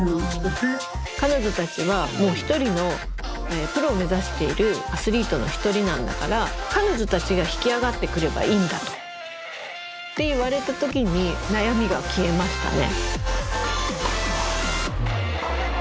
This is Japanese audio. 彼女たちはもう一人のプロを目指しているアスリートの一人なんだから彼女たちが引き上がってくればいいんだと。って言われた時に悩みが消えましたね。